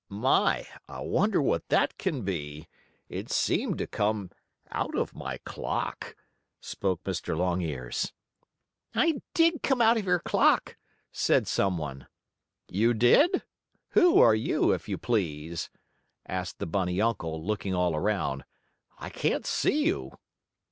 "My! I wonder what that can be? It seemed to come out of my clock," spoke Mr. Longears. "I did come out of your clock," said some one. "You did? Who are you, if you please?" asked the bunny uncle, looking all around. "I can't see you."